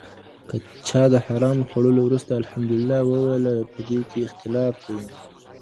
که چا د حرامو خوړلو وروسته الحمدلله وويله، پدې کي اختلاف دی